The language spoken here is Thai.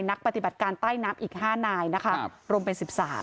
นักปฏิบัติการใต้น้ำอีก๕นายนะคะรวมเป็น๑๓